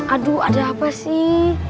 aduh ada apa sih